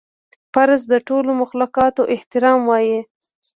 فرض د ټولو مخلوقاتو احترام وای